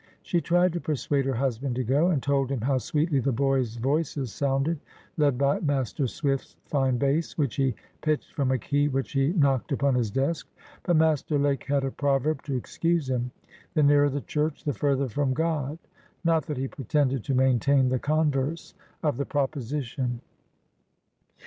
She tried to persuade her husband to go, and told him how sweetly the boys' voices sounded, led by Master Swift's fine bass, which he pitched from a key which he knocked upon his desk. But Master Lake had a proverb to excuse him. "The nearer the church, the further from GOD." Not that he pretended to maintain the converse of the proposition.